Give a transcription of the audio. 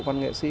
văn nghệ sĩ